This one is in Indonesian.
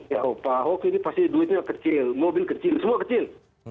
ya pak ahok ini pasti duitnya kecil mobil kecil semua kecil